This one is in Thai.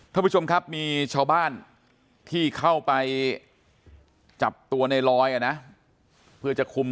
ท่านผู้ชมครับมีชาวบ้านที่เข้าไปจับตัวในลอยอ่ะนะเพื่อจะคุม